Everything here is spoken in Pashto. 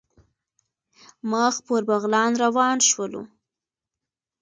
مخ پر بغلان روان شولو.